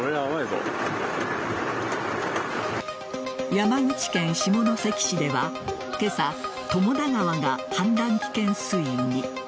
山口県下関市では今朝、友田川が氾濫危険水位に。